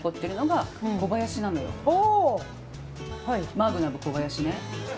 マグナム小林ね。